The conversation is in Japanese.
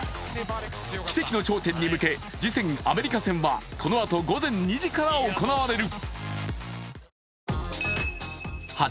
奇跡の頂点に向け、次戦・アメリカ戦はこのあと午前２時から行われる。